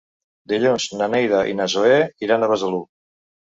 Dilluns na Neida i na Zoè iran a Besalú.